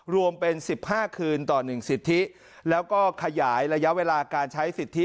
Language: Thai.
รวมเป็นสิบห้าคืนต่อหนึ่งสิบทิแล้วก็ขยายระยะเวลาการใช้สิบทิ